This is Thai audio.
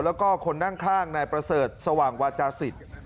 แล้วก็คนนั่งข้างนายประเสริฐสว่างวาจาศิษย์